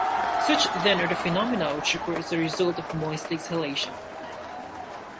Such then are the phenomena which occur as the result of moist exhalation.